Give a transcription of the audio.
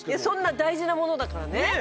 そんな大事なものだからね。